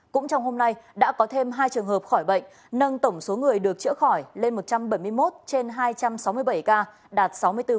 cũng trong hôm nay đã có thêm hai trường hợp khỏi bệnh nâng tổng số người được chữa khỏi lên một trăm bảy mươi một trên hai trăm sáu mươi bảy ca đạt sáu mươi bốn